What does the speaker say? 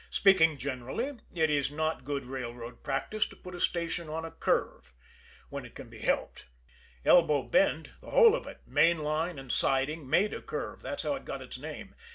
Speaking generally, it's not good railroad practice to put a station on a curve when it can be helped. Elbow Bend, the whole of it, main line and siding, made a curve that's how it got its name.